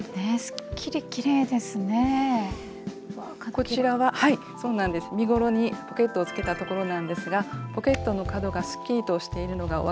こちらは身ごろにポケットをつけたところなんですがポケットの角がすっきりとしているのがお分かり頂けますか？